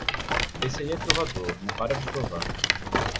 Esse aí é trovador, não para de trovar